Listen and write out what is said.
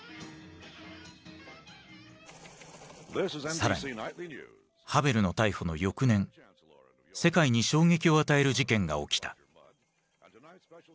更にハヴェルの逮捕の翌年世界に衝撃を与える事件が起きた。